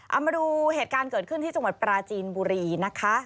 เอามาดูเหตุการณ์เกิดขึ้นที่จังหวัดปราจีนบุรีนะคะ